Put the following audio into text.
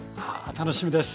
楽しみです。